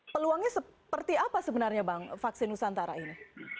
peluangnya seperti apa sebenarnya bang vaksin nusantara ini